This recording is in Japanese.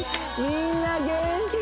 みんな元気？